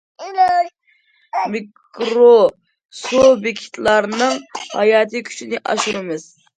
مىكرو سۇبيېكتلارنىڭ ھاياتىي كۈچىنى ئاشۇرىمىز.